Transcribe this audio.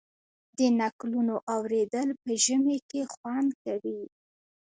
د نکلونو اوریدل په ژمي کې خوند کوي.